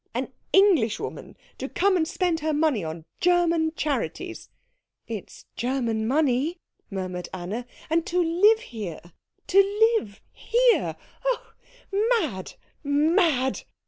An Englishwoman to come and spend her money on German charities " "It's German money," murmured Anna. "And to live here to live here oh, mad, mad!"